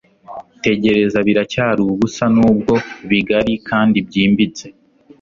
Tegereza biracyari ubusa nubwo bigari kandi byimbitse